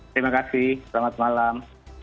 terima kasih selamat malam